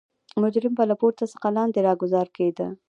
مجرم به له پورته څخه لاندې راګوزار کېده.